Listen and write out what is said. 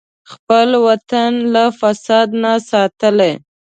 خپل وطن له فساد نه ساتلی.